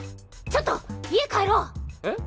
ちょっと家帰ろう。えっ？